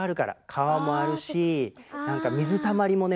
川もあるし水たまりもね